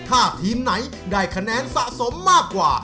ถ้าทีมไหนได้คะแนนสะสมมากกว่า